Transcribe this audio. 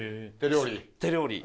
手料理？